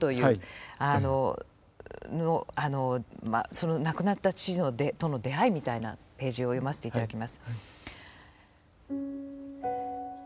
その亡くなった父との出会いみたいなページを読ませていただきます。